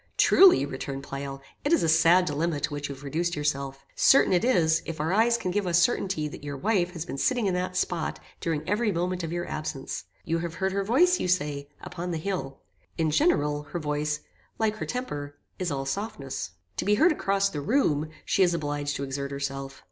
"Truly," returned Pleyel, "it is a sad dilemma to which you have reduced yourself. Certain it is, if our eyes can give us certainty that your wife has been sitting in that spot during every moment of your absence. You have heard her voice, you say, upon the hill. In general, her voice, like her temper, is all softness. To be heard across the room, she is obliged to exert herself.